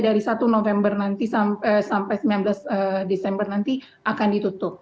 dari satu november nanti sampai sembilan belas desember nanti akan ditutup